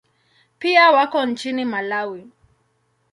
Pia wako nchini Malawi.